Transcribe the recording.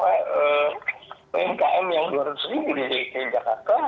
umkm yang dua ratus ribu di dki jakarta